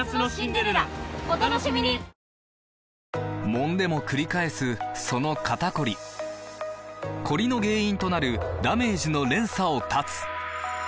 もんでもくり返すその肩こりコリの原因となるダメージの連鎖を断つ！